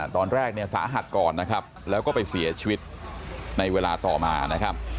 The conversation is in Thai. ตอนแรกสาหัสก่อนแล้วก็ไปเสียชีวิตในเวลาต่อมา